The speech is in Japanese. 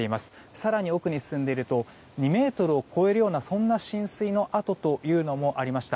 更に奥に進んでいくと２ｍを超えるようなそんな浸水の跡もありました。